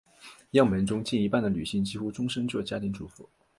样本中近一半的女性几乎终生做家庭主妇。